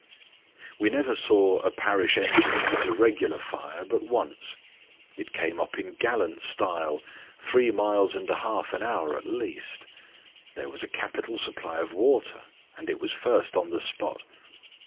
We never saw a parish engine at a regular fire but once. It came up in gallant style three miles and a half an hour, at least ; there was a capital supply of water, and it was first on the spot.